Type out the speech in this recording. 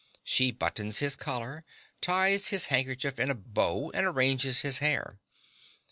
(She buttons his collar; ties his neckerchief in a bow; and arranges his hair.)